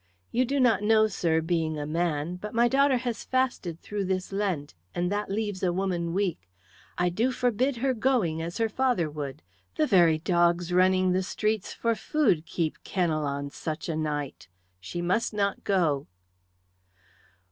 You do not know, sir, being a man. But my daughter has fasted through this Lent, and that leaves a woman weak. I do forbid her going, as her father would. The very dogs running the streets for food keep kennel on such a night. She must not go."